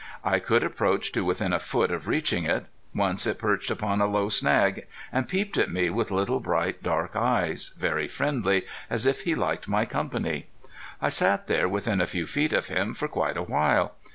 I could approach to within a foot of reaching it. Once it perched upon a low snag, and peeped at me with little bright dark eyes, very friendly, as if he liked my company. I sat there within a few feet of him for quite a while.